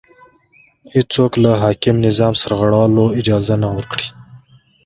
هېڅوک له حاکم نظام سرغړولو اجازه نه ورکړي